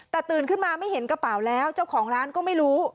แต่ตื่นขึ้นมาไม่เห็นกระเป๋าแล้วเจ้าของร้านก็ไม่รู้